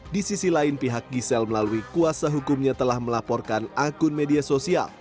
di sisi lain pihak gisel melalui kuasa hukumnya telah melaporkan akun media sosial